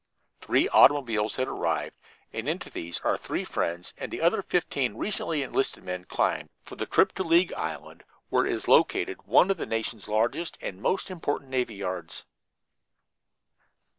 Three automobiles had arrived, and into these our three friends and the other fifteen recently enlisted men climbed, for the trip to League Island, where is located one of the Nation's largest and most important navy yards.